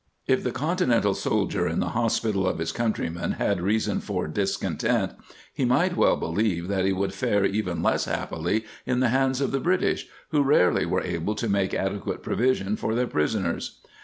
If the Continental soldier in the hospital of his countrymen had reason for discontent, he might well beHeve that he would fare even less happily Tti the hands of the British, who rarely were able to make adequate provision for their prisoners.